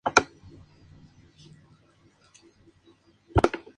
La mayoría de Cartas Reales se otorgan actualmente a instituciones profesionales y de caridad.